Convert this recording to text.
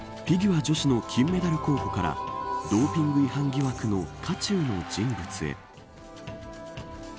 フィギュア女子の金メダル候補からドーピング違反疑惑の渦中の人物へ。